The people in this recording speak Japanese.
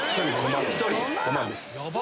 １人５万です。